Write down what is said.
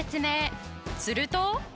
すると。